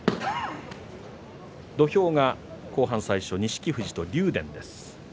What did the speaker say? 土俵が後半最初の錦富士と竜電です。